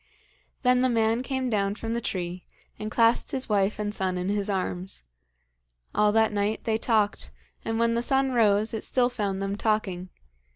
Then the man came down from the tree, and clasped his wife and son in his arms. All that night they talked, and when the sun rose it still found them talking.